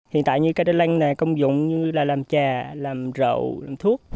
hiện tại như cây đinh lăng này công dụng như là làm trà làm rậu làm thuốc